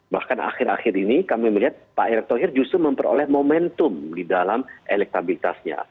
bahkan akhir akhir ini kami melihat pak erick thohir justru memperoleh momentum di dalam elektabilitasnya